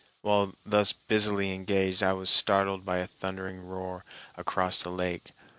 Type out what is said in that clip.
While thus busily engaged I was startled by a thundering roar across the lake.